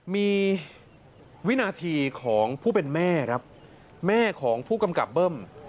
มีวินาทีของผู้เป็นแม่ครับแม่ของผู้กำกับเบิ้ม